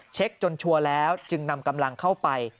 จนชัวร์แล้วจึงนำกำลังเข้าไป